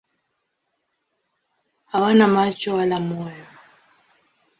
Hawana macho wala moyo.